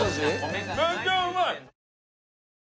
めっちゃうまい！